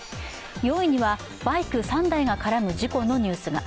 ４位にはバイク３台が絡む事故のニュースが。